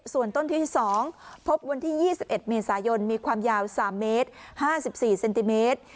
ส่วนต้นที่ที่๒พบวันที่๒๑เมษายนมีความยาว๓เมตร๕๔เซนติเมตร